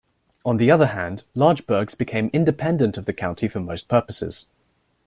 On the other hand, large burghs became independent of the county for most purposes.